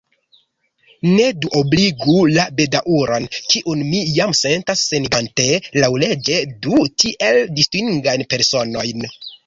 Ne duobligu la bedaŭron, kiun mi jam sentas senigante laŭleĝe du tiel distingajn personojn.